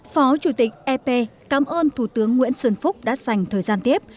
phó chủ tịch ep cảm ơn thủ tướng nguyễn xuân phúc đã dành thời gian tiếp